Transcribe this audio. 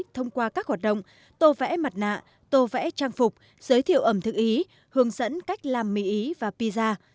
tô vẽ mặt nạ tô vẽ trang phục giới thiệu ẩm thực ý hướng dẫn cách làm mì ý và pizza